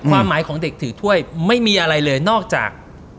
ความหมายของเด็กถือถ้วยไม่มีอะไรเลยนอกจาก